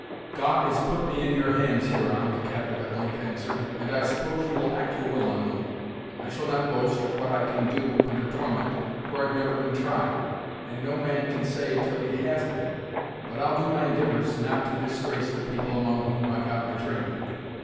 "God has put me in your hands, Huron," the captive at length answered, "and I suppose you will act your will on me. I shall not boast of what I can do, under torment, for I've never been tried, and no man can say till he has been; but I'll do my endivours not to disgrace the people among whom I got my training.